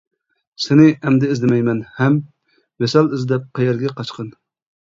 سىنى ئەمدى ئىزدىمەيمەن ھەم، ۋىسال ئىزدەپ قەيەرگە قاچقىن.